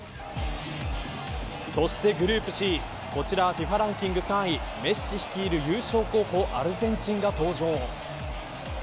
そして、グループＣこちらＦＩＦＡランキング３位メッシ率いる優勝候補アルゼンチンが登場。